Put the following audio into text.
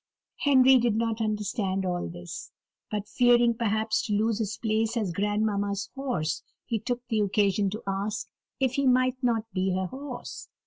Henry did not understand all this, but fearing, perhaps, to lose his place as grandmamma's horse, he took the occasion to ask if he might not be her horse.